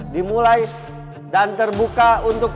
dimulai dan terbuka untuk